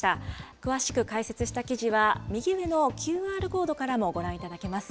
詳しく解説した記事は、右上のＱＲコードからもご覧いただけます。